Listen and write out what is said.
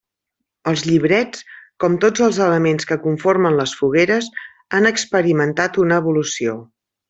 Els llibrets, com tots els elements que conformen les fogueres, han experimentat una evolució.